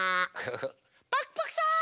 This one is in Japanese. パクパクさん！